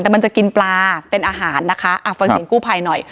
แต่มันจะกินปลาเป็นอาหารนะคะอ่ะฟังเสียงกู้ภัยหน่อย